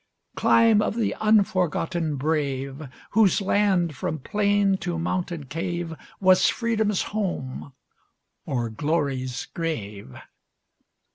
Clime of the unforgotten brave! Whose land from plain to mountain cave Was Freedom's home, or Glory's grave!